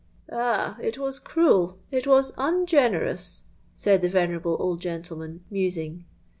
'—'Ah! it was cruel, it was ungenerous,' said the venerable old gentleman, musing.